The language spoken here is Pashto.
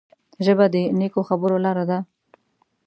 ژبه د نیکو خبرو لاره ده